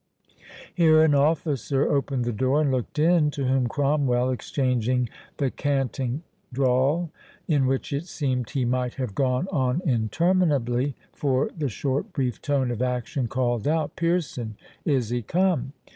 Here an officer opened the door and looked in, to whom Cromwell, exchanging the canting drawl, in which it seemed he might have gone on interminably, for the short brief tone of action, called out, "Pearson, is he come?"